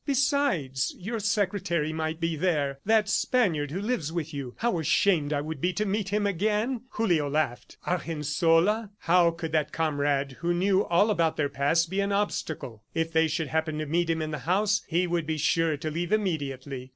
"Besides, your secretary might be there, that Spaniard who lives with you. How ashamed I would be to meet him again!" Julio laughed. ... Argensola! How could that comrade who knew all about their past be an obstacle? If they should happen to meet him in the house, he would be sure to leave immediately.